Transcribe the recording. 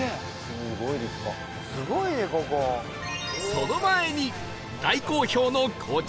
その前に大好評のこちら！